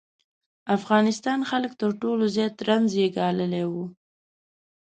افغانستان خلک تر ټولو زیات رنځ یې ګاللی و.